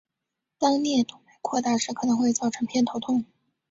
当颞动脉扩大时可能会造成偏头痛。